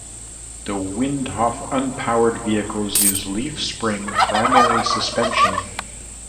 The Windhoff unpowered vehicles use leaf spring primary suspension.